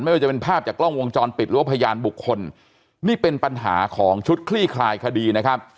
ไม่ว่าจะเป็นภาพจากกล้องวงจรปิดหรือว่าพยานบุคคลนี่เป็นปัญหาของชุดคลี่คลายคดีนะครับ